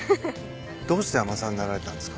どうして海女さんになられたんですか？